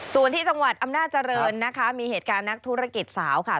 ส่วนที่จังหวัดอำนาจริงนะคะมีเหตุการณ์นักธุรกิจสาวค่ะ